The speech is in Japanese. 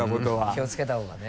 気をつけた方がね。